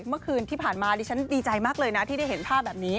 เมื่อคืนที่ผ่านมาดิฉันดีใจมากเลยนะที่ได้เห็นภาพแบบนี้